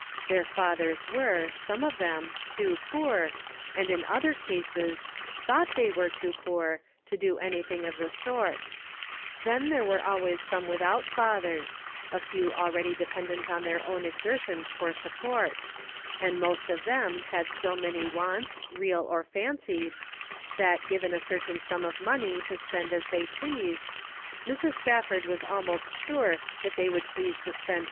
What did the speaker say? Their fathers were, some of them, too poor, and in other eases, thought they were too poor to do anything of the sort. Then there were some without fathers — a few already dependent on their own exertions for support ; and most of them had so many wants, real or fancied, that given a certain sum of money to spend as they pleased, Mrs. Spafford was almost sure that they would please to spend A Problem.